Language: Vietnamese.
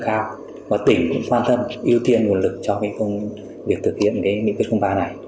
cao và tỉnh cũng quan tâm ưu tiên nguồn lực cho công việc thực hiện cái nghị quyết ba này